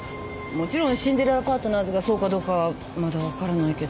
もちろんシンデレラパートナーズがそうかどうかはまだ分からないけど。